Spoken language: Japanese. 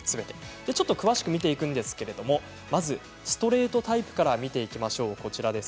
詳しく見ていくんですけれどまず、ストレートタイプから見ていきましょう。